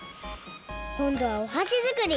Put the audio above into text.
こんどはおはし作り！